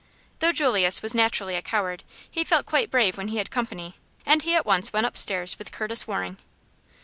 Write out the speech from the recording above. Though Julius was naturally a coward, he felt quite brave when he had company, and he at once went upstairs with Curtis Waring.